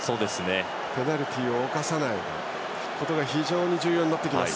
ペナルティーを犯さないことが非常に重要になってきます。